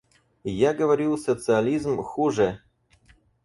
Я говорю социализм — хуже.